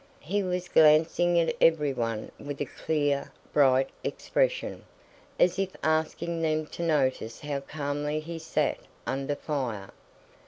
He was glancing at everyone with a clear, bright expression, as if asking them to notice how calmly he sat under fire.